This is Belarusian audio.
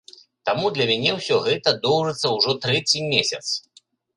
Таму для мяне ўсё гэта доўжыцца ўжо трэці месяц.